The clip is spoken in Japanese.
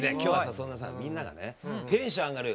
そんなさみんながねテンション上がる